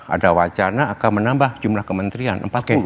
ada wacana akan menambah jumlah kementerian